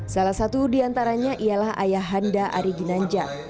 salah satu diantaranya ialah ayah handa ari ginanja